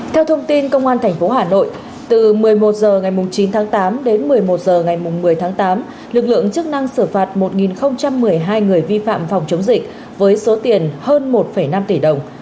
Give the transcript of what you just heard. theo thông tin công an tp hà nội từ một mươi một h ngày chín tháng tám đến một mươi một h ngày một mươi tháng tám lực lượng chức năng xử phạt một một mươi hai người vi phạm phòng chống dịch với số tiền hơn một năm tỷ đồng